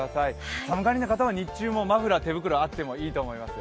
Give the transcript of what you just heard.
寒がりな方は日中もマフラー、手袋あってもいいと思いますよ。